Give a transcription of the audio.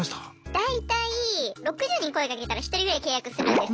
大体６０人声かけたら１人ぐらい契約するんです。